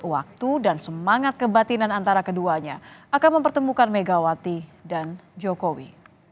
waktu dan semangat kebatinan antara keduanya akan mempertemukan megawati dan jokowi